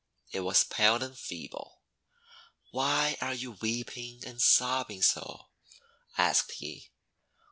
It was pale and feeble. "Why are you weeping and sobbing so?' asked he.